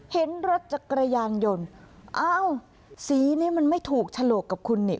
เห็นรถจักรยานยนต์อ้าวสีนี้มันไม่ถูกฉลกกับคุณนี่